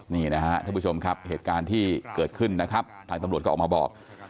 นี่นะครับท่านผู้ชมครับเหตุการณ์ที่เกิดขึ้นนะครับทางตำรวจก็ออกมาบอก